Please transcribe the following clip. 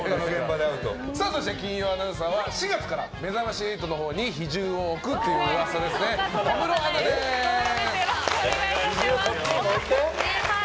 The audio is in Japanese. そして金曜日アナウンサーは４月から「めざまし８」に比重を置くという噂の小室アナウンサーです。